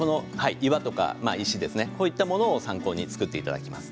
岩とか石こういったものを参考に作っていただきます。